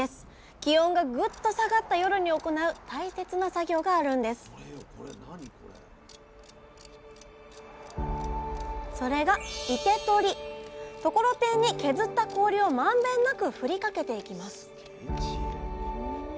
気温がぐっと下がった夜に行う大切な作業があるんですそれがところてんに削った氷をまんべんなくふりかけていきます